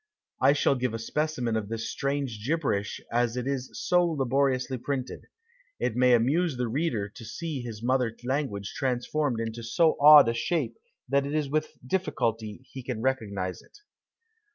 I shall give a specimen of this strange gibberish as it is so laboriously printed. It may amuse the reader to see his mother language transformed into so odd a shape that it is with difficulty he can recognise it.